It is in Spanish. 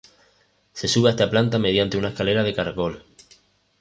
Se sube a esta planta mediante una escalera de caracol.